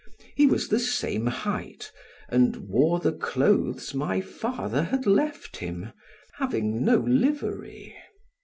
He was the same height and wore the clothes my father had left him, having no livery.